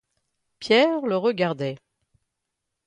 Pierre le regardait.